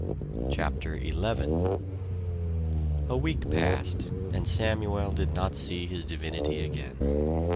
CHAPTER XI A week passed, and Samuel did not see his divinity again.